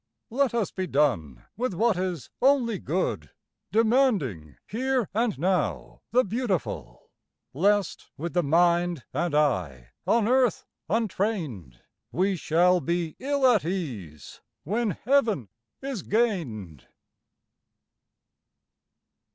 Let us be done with what is only good, Demanding here and now the beautiful; Lest, with the mind and eye on earth untrained, We shall be ill at ease when heaven is gained.